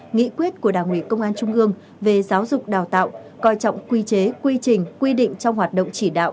nghị quyết của đảng ủy công an trung ương về giáo dục đào tạo coi trọng quy chế quy trình quy định trong hoạt động chỉ đạo